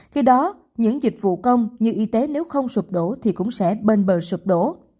khi đó những dịch vụ công như y tế nếu không sụp đổ thì cũng sẽ bên bờ sụp đổ